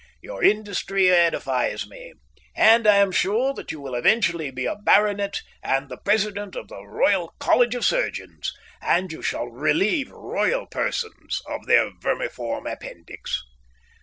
Your industry edifies me, and I am sure that you will eventually be a baronet and the President of the Royal College of Surgeons; and you shall relieve royal persons of their, vermiform appendix.